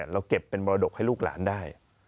เราเก็บเป็นมรดกให้ลูกหลานได้